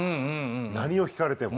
何を聞かれても。